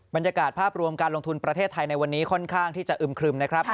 บรรยากาศภาพรวมการลงทุนประเทศไทยในวันนี้ค่อนข้างที่จะอึมครึมนะครับ